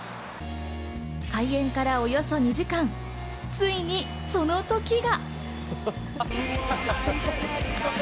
開演からおよそ２時間、ついにその時が。